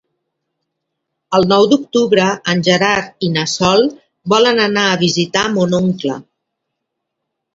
El nou d'octubre en Gerard i na Sol volen anar a visitar mon oncle.